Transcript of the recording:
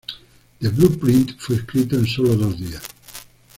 The Blueprint fue escrito en sólo dos días.